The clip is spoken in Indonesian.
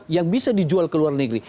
yang bisa dijual ke luar negeri